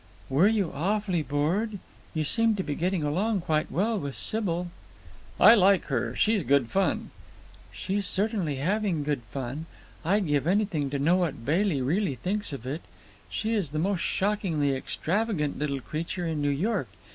"Were you awfully bored? You seemed to be getting along quite well with Sybil." "I like her. She's good fun." "She's certainly having good fun. I'd give anything to know what Bailey really thinks of it. She is the most shockingly extravagant little creature in New York.